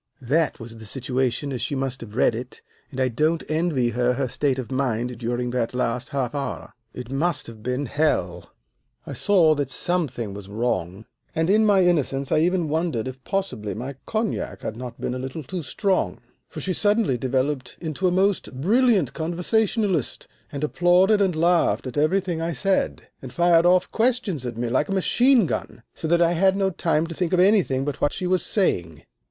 That was the situation as she must have read it, and I don't envy her her state of mind during that last half hour. It must have been hell. [Illustration: 10 She knew she would be twenty thousand pounds richer] "I saw that something was wrong, and in my innocence I even wondered if possibly my cognac had not been a little too strong. For she suddenly developed into a most brilliant conversationalist, and applauded and laughed at everything I said, and fired off questions at me like a machine gun, so that I had no time to think of anything but of what she was saying.